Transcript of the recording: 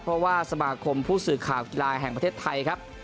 เพราะว่าสมาคมผู้สื่อข่าวกีฬาแห่งประเทศไทยครับ